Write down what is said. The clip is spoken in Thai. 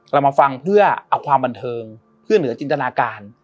เรามาฟังเพื่อเอาความบันเทิงเพื่อเหนือจินตนาการ